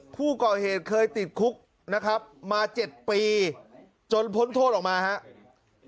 ผู้ก่อเหตุเคยติดคุกนะครับมา๗ปีจนพ้นโทษออกมาครับ